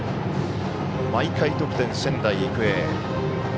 毎回得点、仙台育英。